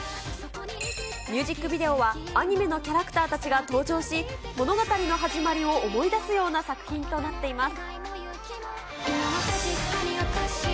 ミュージックビデオは、アニメのキャラクターたちが登場し、物語の始まりを思い出すような作品となっています。